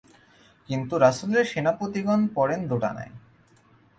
কিন্তু রাসূলের সেনাপতিগণ পড়েন দোটানায়।